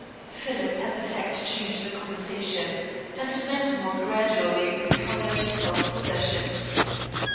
Phyllis had the tact to change the conversation, and Mensmore gradually recovered his self possession.